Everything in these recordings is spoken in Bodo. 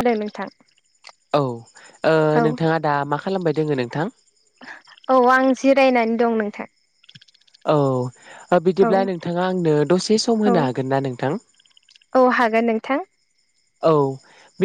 खोनादों नोंथां औ ओ औ नोंथांङा दा मा खालामबाय दोंङो नोंथां? औ आं जिरायनानै दं नोंथां। औ ओ औ बिदिब्ला नोंथांङा आंनो दसे सम औ होनो हागोन ना नोंथां? औ हागोन नोंथां औ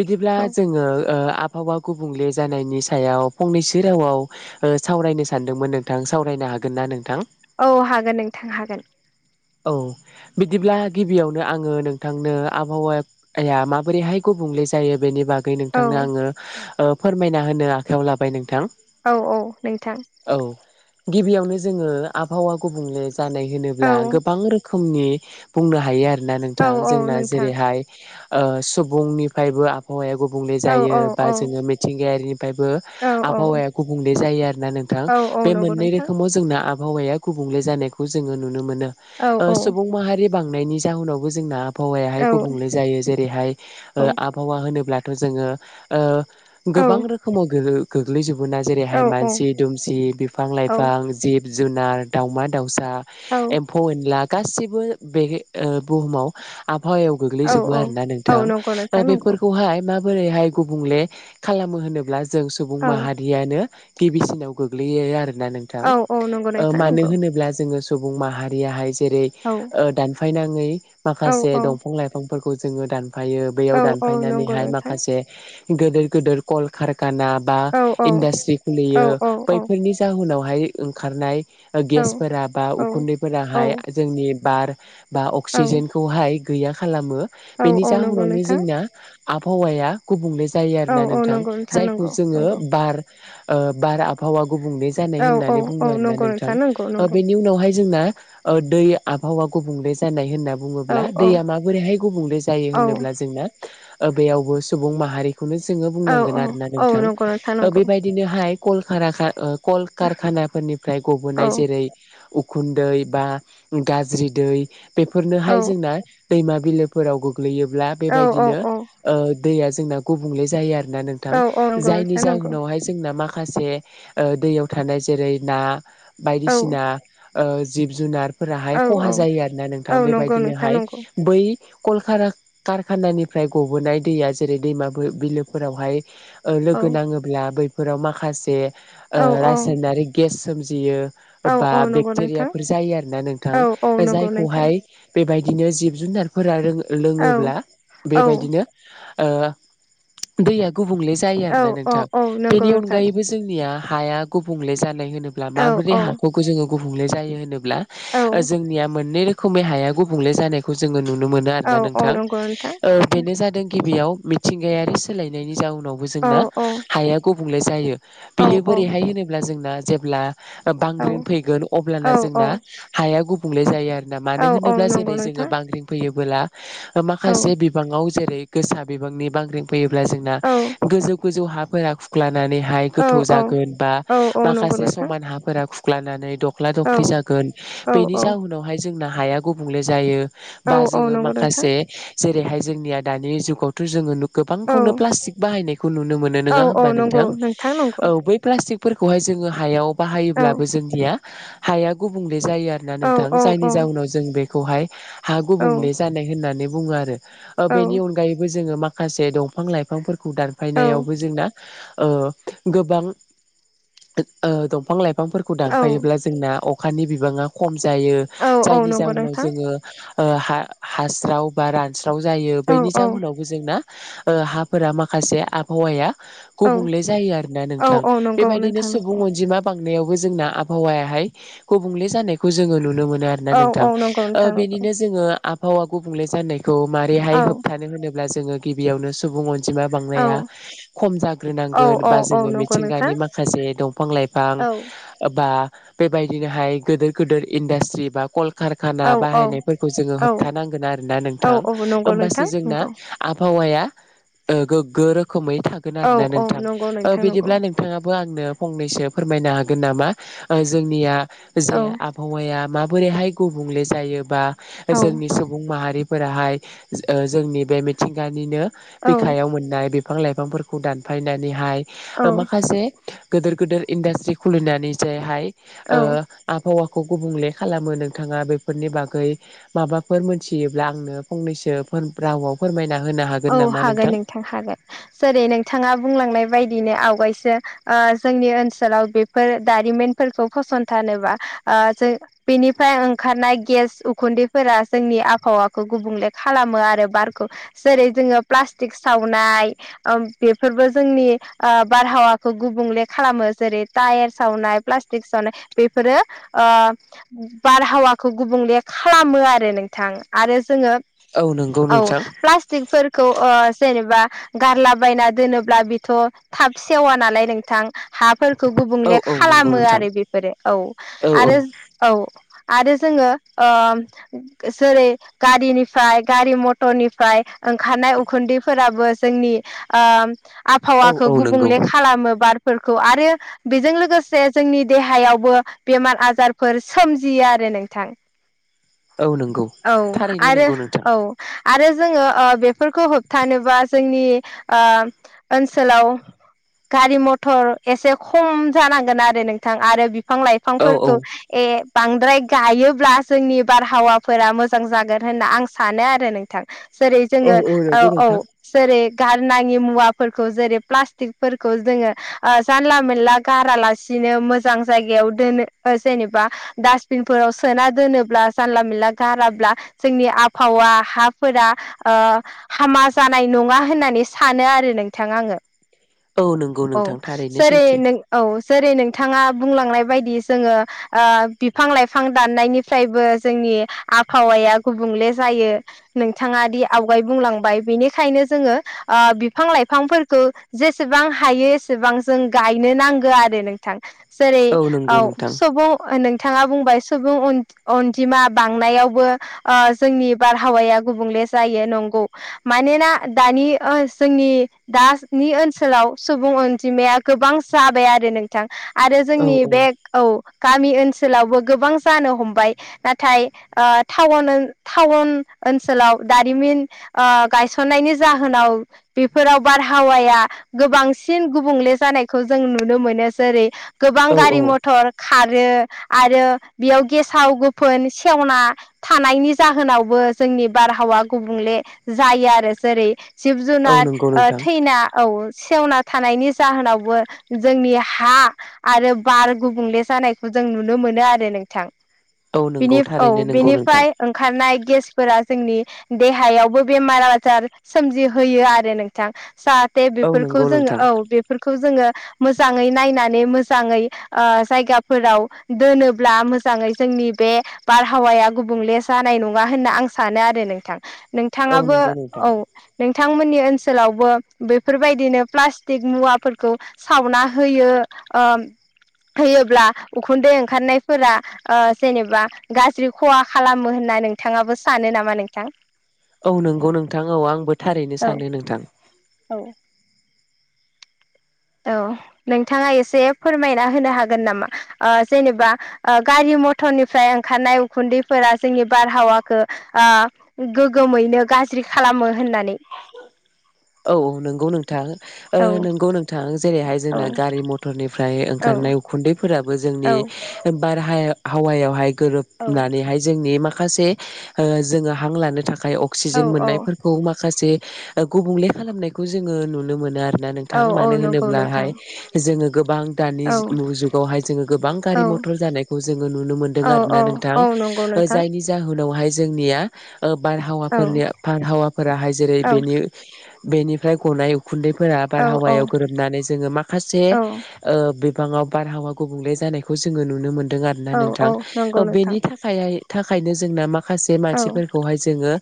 बिदिब्ला औ जोंङो ओ आबहावा गुबुंले जानायनि सायाव फंनैसो रावाव ओ सावरायनो सानदोंमोन नोंथां सावराय नो हागोन ना नोंथां। औ हागोन नोंथां हागोन। औ बिदिब्ला गिबियावनो आंङो नोंथांनो आबहावाया माबोरैहाय गु गुबुंले जायो बेनि बागै औ नोंथांनो आंङो ओ फोरमायना होनो आखायाव लाबाय नोंथां। औ औ नोंथां। औ गिबियावनो जोङो आबहावा गुबुंले जानाय औ होनोब्ला गो बां रोखोमनि बुंनो हायो आरोना औ नोंथां औ जोंना नोंथां जेरैहाय ओ सुबुंनिफ्रायबो आबहावाया गुबुंले औ जायो औ बा औ जोङो मिथिंगायारिनि फायबो औ औ आबहावाया गुबुंले जायो आरोना नोंथां। औ औ बे नंगौ मोननै नोंथां रोखोमाव जोंना आबहावाया गुबुंले जानायखौ जोङो नुनो मोनो औ ओ औ सुबुं माहारि बांनायनि जाउनावबो जोंना आबहावायाहाय औ गुबुंले जायो जेरैहाय ओ औ आबहावा होनोब्लाथ' जोङो ओ औ गोबां रोखोमाव गो गोग्लैजो बोना जेरैहाय मानसि दुमसि बिफां औ लाइफां जिब जुनार दावमा दाउ सा एम्फौ-एनला गासैबो बे ओ बुहुमाव आब हायाव औ गोग्लैजोबो आरो ना औ नोंथां नंगौ ओ नोंथां नंगौ बेफोरखौहाय मा बोरैहाय गुबुंले खालामो होनोब्ला जों सुबुं औ माहारियानो गिबिसिनाव गोग्लैयो आरोना नोंथां। औ औ नंगौ ओ नोंथां मानो नंगौ होनोब्ला जों सुबुं माहा रियाहाय जेरै औ ओ दानायनाङै औ माखासे औ दंफां लाइफांफोरखौ जोङो दान फायो बैयाव औ औ नंगौ दानफायनानैहाय नोंथां माखासे गोदोर गोदोर कलखार खाना बा औ औ इन्डास्ट्रि औ खुलियो औ बैफोरनि जाहोनावहाय ओंखारनाय गेसफोरा बा औ औ उखुन्दैफोराहाय औ जोंनि बार बा औ अक्सिजेनखौहाय गैया खालामो औ बेनि औ नंगौ जाहोनावनो नोंथां जोंना आबहावाया गुबुंले जायो औ आरोना औ नोंथां नंगौ जायखौ नंगौ जोङो नंगौ बार ओ बार आबहावा गुबुंले जानाय औ औ होननानै औ बुङो आरो ना नंगौ नोंथां। नंगौ ओ नंगौ बेनि उनावहाय जोंना ओ दै आबहावा गुबुंले जानाय होनना औ बुङोब्ला औ दैया माबोरैहाय गुबुंले जायो औ होनोब्ला जोंना ओ बेयावबो सुबुं माहारि खौनो जोङो औ बुंनांगोन औ आरोना औ नोंथां नंगौ नोंथां ओ नंगौ बेबायदिनोहाय कलखाराखा ओ कलकारखानाफोरनिफ्राय औ गबोनाय जेरै उखुन्दै बा गाज्रि दै औ बिफोरनोहाय जोंना दैमा बिलोफोराव गो ग्लैयोब्ला औ औ बेबायदिनो ओ दैया जोंना गुबुंले जायो आरो। ना नोंथां औ नंगौ जायनि नोंथां नंगौ जाहोनावहाय जोंना माखा से ओ दैयाव थानाय जेरै ना औ बायदिसिना ओ जिब जुनारफोराहाय औ खहा औ जायो आरो ना औ नोंथां नंगौ नोंथां बेबायदिनोहाय नंगौ बै कल खारा कारखानानिफ्राय गबोनाय दैया जेरै दैमा बो बिलोफोरावहाय ओ औ लोगो नाङोब्ला बैफोराव माखासे ओ औ औ रासायनारि गेस सोमजियो औ बा औ नंगौ बेक्टेरिया नोंथां जायो आरोना औ औ नोंथां नंगौ नोंथां जायखौहाय बेबायदिनो जिब जुनारफोरा रोङो औ लोङोब्ला औ बेबायदिनो ओ दैया गुबुंले जायो औ आरो ना औ नोंथां औ । नंगौ बेनि नोंथां अनगायैबो जोंनिया हाया गुबुंले जानाय होनो ब्ला औ माबोरै औ हाखौ जोङो गुबुंले जायो होनोब्ला औ जोंनिया मोननै रो खोमै हाया गुबुंले जानायखौ जोङो नुनो मोनो औ आरोना औ नोंथां। नंगौ नोंथां ओ बेनो जादों गिबियाव मिथिंगायारि सोलायनायनि जाउन नावबो औ जोंना औ हाया गुबुंले जायो औ बियो बोरैहाय होनोब्ला जोंना जेब्ला बांग्रिं फैगोन अब्लाना औ औ जोंना हाया गुबुंले जायो आरो। ना औ मानो औ होनोब्ला नंगौ जेरै जोङो नोंथां बांग्रिं फैयोबोला औ माखासे बिबाङाव जेरै गोसा बिबांनि बांग्रिं फैयोब्ला जोंना औ गोजौ गोजौ हाफोरा खुख्ला नानै हाया औ गोथौ औ जागोन बा औ औ नंगौ माखासे नोंथां समान हाफोरा खुख्लानानै दख्ला औ दख्लि जागोन औ बेनि औ जाहोनावहाय जोंना हाया गुबुंले जायो। औ बा औ जोङो नंगौ नोंथां माखासे जेरैहाय जोंनिया दानि जुगावथ' जोङो नु औ गोबांखौनो प्लास्टिक बाहायनायखौ नुनो मोनो औ नङा औ होमबा नंगौ नोंथां नंगौ औ बै प्लास्टिक फोरखौहाय जोङो हायाव औ बाहायोब्लाबो जोंनिया हाया गुबुंले जायो आरोना औ नोंथां औ औ जायनि जाउनाव जों बेखौहाय हा औ गुबुंले जानाय होननानै बुङो आरो। ओ बेनि अनगायैबो जोङो माखासे दंफां लाइफांफोरखौ औ दानफायनायावबो जोंना ओ गोबां दंफां लाइफांफोरखौ औ दानफायोब्ला ज अखानि बिबाङा खम जायो औ औ जायनि नंगौ जाउनाव नोंथां जोङो ओ हा-हास्राव बा रानस्राव जायो औ बैनि औ जाहोनावबो जोंना ओ हाफोरा माखासे आबहावाया औ गुबुंले जायो आरोना औ नोंथां औ नंगौ बेबायदिनो नोंथां सुबुं नंगौ अनजिमा बांनायावबो जोंना आबहावाया हाय गुबुंले जानायखौ जों नुनो मोन आरोना औ नोंथां औ नंगौ । ओ नोंथां बेनि नंगौ नों जोङो आ आबावा गुबुंले जानायखौ औ मारोरैहाय होबथानो होनोब्ला जोङो गिबियावनो सुबुं अन जिमा औ बांनाया खम औ जाग्रोनांगोन बा औ जोङो नंगौ नोंथां मिथिंगानि माखासे दंफां लाइफां औ बा बेबायदिनोहाय गिदिर गिदिर इनडास्ट्रि बा कल कारखाना औ औ बाहायनायफोरखौ जोङो औ होबथानांगोन आरोना औ नोंथां औ नंगौ होमबासो नोंथां जोंना नंगौ आबहावाया ओ गोग्गो रोखोमै थागोन औ आरोना औ नोंथां नंगौ नोंथां नंगौ बिदिब्ला नोंथाङाबो आंनो फंनैसो फोरमायनो हागोन नामा जोंनिया जे औ आबहावाया मा बोरैहाय गुबुंले जायोबा औ जोंनि सुबुं माहारिफोराहाय ओ जोंनि बे मिथिंगानिनो औ बिखायाव मोननाय बिफां लाइफांफोरखौ दानफायनानैहाय औ माखासे गिदोर गिदिर इन्डास्ट्रि खुलिनानै जायहाय ओ औ आबहावा खौ गुबुंले खालामो नोंथाङा बेफोरनि बागै माबाफोर मोनथियोब्ला आंनो फंनैसो रावाव फोरमायना औ हागोन नोंथां हागोन जेरै नोंथाङा बुंलांनाय बायदिनो आव गायसो ओ जोंनि ओनसोलाव बेफोर दारिमिनफोरखौ फसंथानोबा ओ जों बेनिफ्राय ओंखारनाय गेस उखुन्दैफोरा जोंनि आबहावाखौ गुबुंले खालामो आरो बारखौ जेरै जोङो प्लास्टिक सावनाय ओ बेफोरबो जोंनि बारहावाखौ गुबुं ले खालामो जै टायेर सावनाय प्लासटिक सावनाय बेफोरो ओ बारहावाखौ गुबुंले खालामो आरो नोंथां आरो जोङो औ नंगौ नोंथां । प्लासटिक फोरखौ ओ जेनेबा गारलाबायना दोनोब्ला बेथ' थाब सेवा नालाय नोंथां । हाफोरखौ औ गुबुंले औ नंगौ खालामो नोंथां आरो बेफोरो औ औ औ आरो औ । आरो जोङो ओ जेरै गारिनिफ्राय गारि मटरनि फ्राय ओंखारनाय उखुन्दैफोराबो जोंनि ओ औ आबहावाखौ औ नंगौ गुबुंले खालामो बार फोरखौ आरो बेजों लोगोसे जोंनि देहायावबो बेमार आजारफोर सोमजियो आरो नोंथां औ नंगौ औ थारैनो आरो नंगौ नोंथां औ । जोङो ओ बेफोरखौ होबथानोबा जोंनि ओ ओनसोलाव गारि मथर एसे खम जानांगोन आरो नोंथां आरो बिफां औ औ लाइफांफोरखौ ए बांद्राय गायोब्ला जोंनि बारहावाफोरा मोजां जागोन होनना आं सानो आरो नोंथां। जेरै जोङो औ औ जेरै गारनााङि मुवाफोरखौ जेरै प्लास्टिकफोरखौ जोङो ओ जानला मोनला गारालासिनो बि मोजां जाय जेनेबा बिनाव सोना दोनोब्ला जानला मोनला गाराब्ला जोंनि आबहावा हा फोरा ओ हामा जानाय नङा होननानै सानो आरो नोंथां आङो । औ नंगौ औ नोंथां थारैनो जेरै सैथो नों औ जेरै नोंथाङा बुंलांनाय बायदि जोङो ओ बिफां लाइफां दाननायनिफ्रायबो जोंनि नि आबहावाया गुबुंले जायो नोंथाङा दि आवगाय बुंलांबाय बेनिखायनो जोङो ओ बिफां लाइफांफोरखौ जेसेबां हायो एसेबां जों गायनो नांगौ आरो नोंथां जेरै औ नंगौ नोंथां सबुं ओ नोंथाङा बुंबाय सुबुं अन-अनजिमा बांनायावबो ओ जोंनि बारहावाया गुबुंले जायो नंगौ मानोना दानि ओ जोंनि दानि ओनसोलाव सुबुं अनजिमाया गोबां जाबाय आरो नोंथां आरो औ जोंनि औ बे औ गामि ओनसोलावबो गोबां जानो हमबाय नाथाय टाउन टाउन ओनसोलाव दारिमिन गायसननायनि जाहोनाव बेफोराव बारहावाया गोबांसिन गुबुंले जानायखौ जों नुनो औ औ मोनो खारो आरो बेयाव गेसाव गोफोन सेवना थानायनि जाहोनावबो जोंनि बारहावा गुबुंले जायो आरो जेरै जिब औ जुनार नंगौ ओ नोंथां थैयना औ सेवना थानायनि जाहोनावबो जोंनि हा आरो बार गुबुंले जानायखौ जों नुनो मोनो आरो नोंथां बि नंगौ औ थारैनो बेनिफाय नंगौ नोंथां बिनिफ्राय ओंखारनाय गेसफोरा जोंनि देहायावबो बेमार आजार सोमजिहोयो आरो नोंथां जाहाथे औ बेफोरखौ नंगौ जोंङो नोंथां औ बेफोरखौ जोंङो मोजांङै नायनानै मोजांङै ओ जायगाफोराव दोनोब्ला मो मोजांङै जोंनि बे बारहावाया गुबुंले जानाय नंङा होनना आं सानो आरो नोंथां औ नोंथाङाबो नंगौ नोंथां औ बिथांमोननि ओनसोलावबो बेफोरबायदिनो प्लास्टिक मुवाफोरखौ सावना होयो ओ होयोब्ला उखुन्दै ओंखारनायफोरा जेनेबा गाज्रि खहा खालामो होननानै नोंथाङाबो सानो नामा नोंथां औ नंगौ नोंथां औ आंबो थारैनो औ सानो नोंथां औ औ नोंथाङा एसे फोरमायना होनो हागोन नामा जेनेबा ओ गारि मटरनिफ्राय ओंखारनाय उखुन्दैफोरा जोंनि बारहावाखौ ओ गोग्गोमैयैनो गा गाज्रि खालामो होननानै औ औ नंगौ नों औ नोंगौ नोंथां जेरैहाय औ जोंना गारि मथरनिफ्राय औ ओंखारनाय उखुन्दैफोराबो जों जोंनि औ बा र हावायावहाय औ गोरोबनानैहाय जोंनि माखासे जोंङो हां लानो थाखाय थाखाय औ अक्सिजेन औ मोननायफोरखौ माखासे गुबुंले खालामनायखौ जोंङो नुनो मोनो आरो औ नोंथां औ मानो नंगौ नोंथां होनोब्लाहाय जोंङो गोबां दानि औ जुगावहाय जोंङो गोबां औ गारि मथर जानायखौजों नुनो मोनदों औ आरो ना औ नोंथां औ नंगौ नोंथां जायनि जाहोनावहाय जोंनिया औ बारहावाफोरनि बारहावाफोराहाय जेरै औ बेनि बेनिफ्राय गनाय उखुन्दैफोरा औ औ बारहावायाव गोरोबनानै जोंङो माखासे औ ओ गोबांङाव बारहावा गुबुंले जानायखौ जोंङो नुनो मोन्दों आरो ना औ औ नोंथां नंगौ नोंथां बेनि थाखायहाय थाखायनो जोंना माखासे औ मानसिफोरखौहाय जोंङो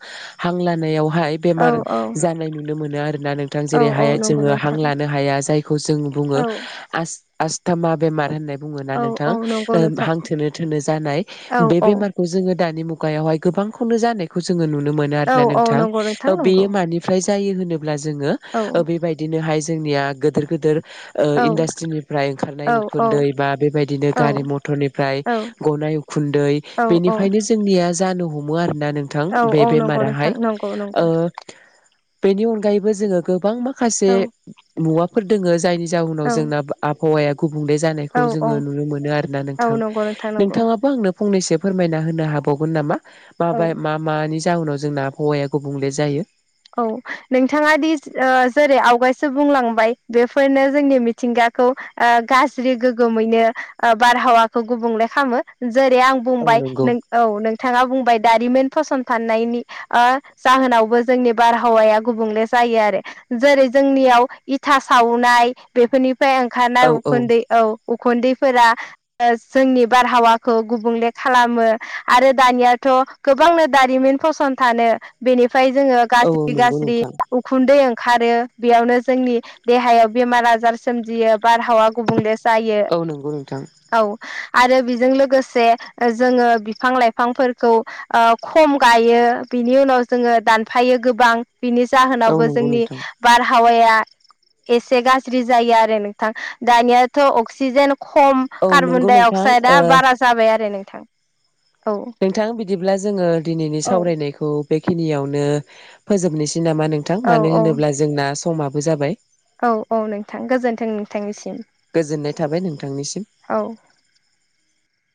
हां लानायाव औ बेमार औ जानाय नुनो मोनो आरोना नोंथां औ जेरै औ नंगौ जोंङो हां नोंथां लानो हाया जायखौ जों बुंङो औ आस [unintelligible] आस्थ मा बेेमार होननो बुंङो औ नोंथां औ नंगौ नोंथां हां थोनो थोनो जानाय औ बे औ बेमारखौ जोंङो जो दानि मुगायावहाय गोबांनो जानायखौ जो नुनो मोन औ आरोना औ नोंथां नंगौ नोंथां नंगौ बेयो मानिफ्राय जायो होनोब्ला औ जोंङो बेबायदिनोहाय जोंनिया गोदोर गोदोर औ इन्डास्ट्रिनिफ्राय ओंखारनाय औ औ उखुन्दै बा बेबायदिनो औ गारि मथरनिफ्राय गनाय गनाय उखुन्दै औ बेनिफ्रायनो जोंनिया जानो हमो दा नोंथां औ बे औ नंगौ बेमाराहाय नोंथां नंगौ नंगौ ओ बेनि अनगायैबो जोंङो गोबां माखासे औ मुवाफोर दोङो जायनि जाहउनाव औ जोंना आबहावाया गुबुंले औ जानायखौ जोंङो नुनो मोनो आरोना औ नोंथां नंगौ नोंथां नंगौ नोंथाङाबो आंनो फंनैसो फोयमायना होनो हाबावगोन नामा बा औ बा मा मा जाउनाव जोंना आबहावाया गुबुंले जायो औ नोंथाङा दि ओ जेरै आवगायसो बुंलांबाय बेफोरनो जोंनि मिथिंगाखौ ओ गाज्रि गोग्गोमैनो ओ बारहावाखौ गुबुंले खालामो जेरै आं औ बुंबाय नंगौ औ नोंथाङा बुंबाय दारिमिन फसं फाननायनि ओ जाहोनावबो जोंनि बारहावाया गुबुंले जायो आरो। जेरै जोंनियाव इथा सावनाय बेफोरनि फ्राय ओंखारनाय उखुन्दै, औ उखुन्दै फोरा जोंनि बारहावाखौ गुबुंले खालामो आरो दानियाथ' गोबां गोबांनो दारिमिन फसंथानो बेनिफ्राय जोङो औ नंगौ गाज्रि-गाज्रि नोंथां उखुन्दै ओं खारो बेयावनो जोंनि देहायाव बेमार-आजार सोमजियो बारहावा गुबुंले जायो, औ नंगौ नोंथां औ आरो बेजों लोगोसे जोङो बिफां-लाइफांफोरखौ ओ खम गायो बिनि उनाव जोङो दानफायो गोबां, बिनि औ जाहोनावबो नंगौ जोंनि नोंथां बार हावाया एसे गाज्रि जायो आरो नोंथां दानियाथ' अक्सिजेन खम औ कार्बन नंगौ डाइ नोंथां ओ अक्साइदा बारा जाबाय आरो नोंथां औ नोंथां बिदिब्ला जोङो दिनैनि औ सावरायनायखौ बेखिनियावनो फोजोबनोसै नामा नोंथां औ मानो औ होनोब्ला जोंना समाबो जाबाय औ औ नोंथां गोजोन्थों नोंथांनिसिम गोजोननाय थाबाय नोंथांनिसिम औ